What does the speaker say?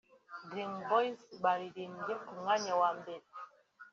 Dream Boyz baririmbye ku mwanya wa mbere